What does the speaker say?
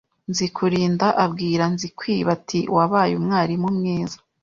Nzikurinda abwira Nzikwiba ati wabaye umwarimu mwiza